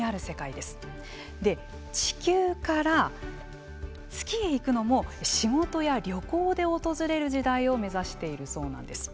で、地球から月へ行くのも仕事や旅行で訪れる時代を目指しているそうなんです。